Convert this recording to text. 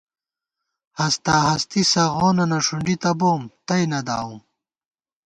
ہستاہستی سغوننہ ݭُنڈی تہ بوم، تئ نہ داوُم